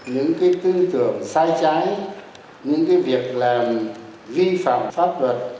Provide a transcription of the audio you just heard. những cái tư tưởng sai trái những việc làm vi phạm pháp luật